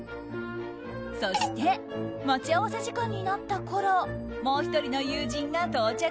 そして待ち合わせ時間になったころもう１人の友人が到着。